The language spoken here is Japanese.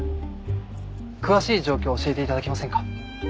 詳しい状況を教えて頂けませんか？